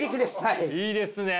いいですね！